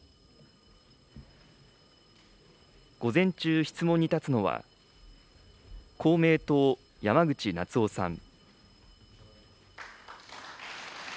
午前中、質問に立つのは、公明党、山口那津男さん。